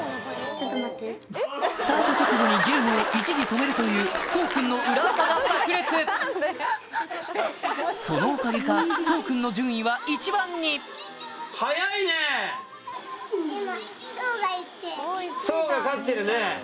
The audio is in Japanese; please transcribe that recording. スタート直後にゲームを一時止めるというそう君の裏技がさく裂そのおかげかそう君の順位は１番にそうが勝ってるね！